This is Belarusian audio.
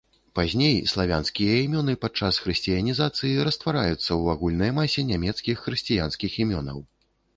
Пазней славянскія імёны, падчас хрысціянізацыі, раствараюцца ў агульнай масе нямецкіх хрысціянскіх імёнаў.